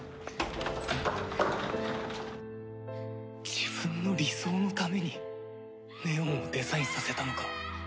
自分の理想のために祢音をデザインさせたのか？